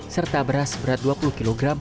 serta beras seberat dua puluh kg